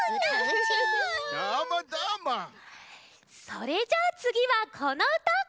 それじゃあつぎはこのうた！